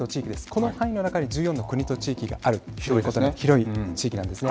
この範囲の中で１４の国と地域のある広い地域なんですね。